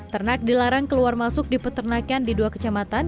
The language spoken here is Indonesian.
ternak dilarang keluar masuk di peternakan di dua kecamatan